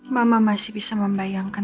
mama masih bisa membayangkan